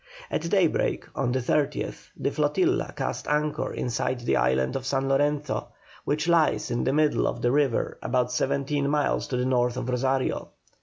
At daybreak on the 30th the flotilla cast anchor inside the island of San Lorenzo, which lies in the middle of the river about seventeen miles to the north of Rosario.